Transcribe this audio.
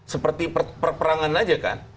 seperti perperangan aja kan